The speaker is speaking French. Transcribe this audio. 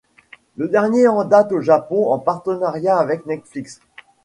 Le dernier en date au Japon en partenariat avec Netflix.